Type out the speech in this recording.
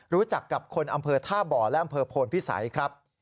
รู้จักกับคนอำเภอท่าบ่อและอำเภอโพนพิสัยครับ